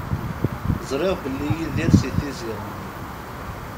Ẓriɣ belli Yidir si Tizi Ɣennif.